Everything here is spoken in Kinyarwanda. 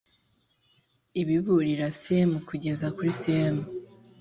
ibiburira cm kugeza kuri cm